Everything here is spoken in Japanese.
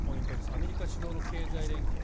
アメリカ主導の経済連携